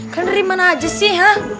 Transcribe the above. kan dari mana aja sih ya